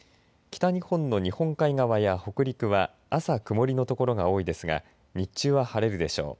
北日本の日本海側や北陸は朝、曇りの所が多いですが日中は晴れるでしょう。